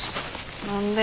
何で？